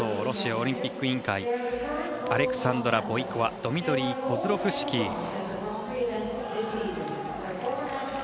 ロシアオリンピック委員会アレクサンドラ・ボイコワドミトリー・コズロフシキー。